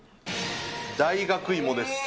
大学芋です。